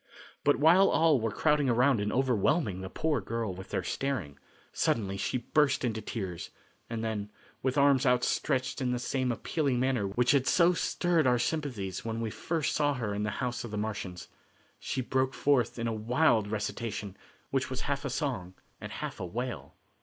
But while all were crowding around and overwhelming the poor girl with their staring, suddenly she burst into tears, and then, with arms outstretched in the same appealing manner which had so stirred our sympathies when we first saw her in the house of the Martians, she broke forth in a wild recitation, which was half a song and half a wail.